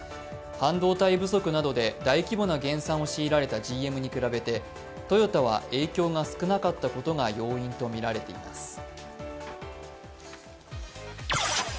半導体不足などで大規模な減産を強いられたＧＭに比べてＧＭに比べてトヨタは影響が少なかったことが要因とみられています。